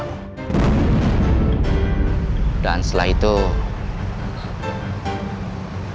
apa yang terjadi malam itu mbak